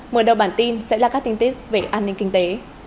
mở đầu bản tin sẽ là các tin tức về an ninh kinh tế